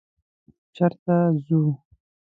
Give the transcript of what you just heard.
_چېرته ځو؟